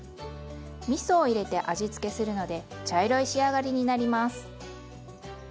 みそを入れて味付けするので茶色い仕上がりになります。